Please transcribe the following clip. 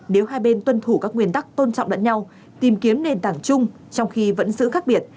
nếu hai bên tuân thủ các nguyên tắc tôn trọng lẫn nhau tìm kiếm nền tảng chung trong khi vẫn giữ khác biệt